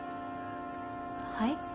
はい？